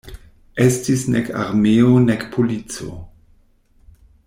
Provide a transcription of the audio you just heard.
Estis nek armeo nek polico.